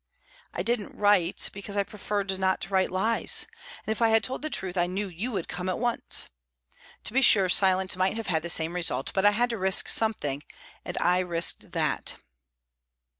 I didn't write, because I preferred not to write lies, and if I had told the truth, I knew you would come at once. To be sure, silence might have had the same result, but I had to risk something, and I risked that."